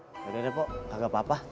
nah yaudah deh pok kagak papa